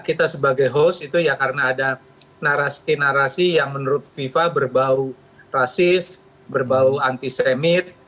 kita sebagai host itu ya karena ada narasi narasi yang menurut viva berbau rasis berbau antisemit